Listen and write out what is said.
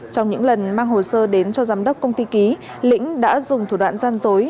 trong những lần mang hồ sơ đến cho giám đốc công ty ký lĩnh đã dùng thủ đoạn gian dối